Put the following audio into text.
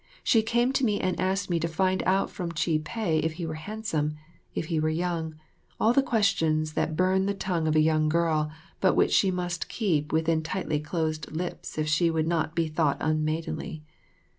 She came to me and asked me to find out from Chih peh if he were handsome, if he were young all the questions that burn the tongue of a young girl, but which she must keep within tightly closed lips if she would not be thought unmaidenly.